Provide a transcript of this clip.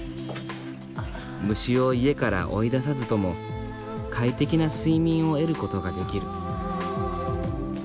虫を家から追い出さずとも快適な睡眠を得ることができる。